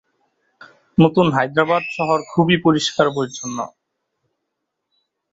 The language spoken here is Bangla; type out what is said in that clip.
নতুন হায়দেরাবাদ শহর খুবই পরিষ্কার-পরিচ্ছন্ন।